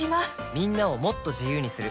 みんなをもっと自由にする「三菱冷蔵庫」